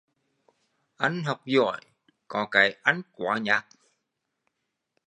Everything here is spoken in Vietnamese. Anh học giỏi, có cái anh quá nhác